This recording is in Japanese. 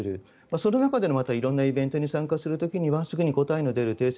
その中でも色んなイベントに参加する時にはすぐに答えの出る定性